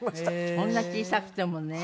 そんな小さくてもね。